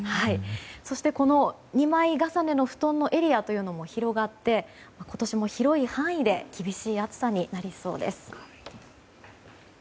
そして２枚重ねの布団のエリアも広がって今年も広い範囲で厳しい暑さになりそうです。